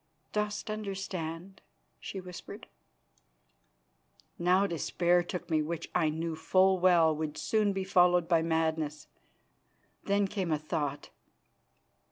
"Dost understand?" she whispered. Now despair took me, which I knew full well would soon be followed by madness. Then came a thought.